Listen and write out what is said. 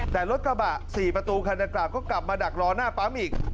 แต่รถกระบะ๔ประตูคันดังกล่าก็กลับมาดักรอหน้าปั๊มอีก